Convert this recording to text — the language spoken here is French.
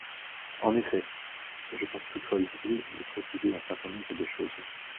En effet ! Je pense toutefois utile de préciser un certain nombre de choses.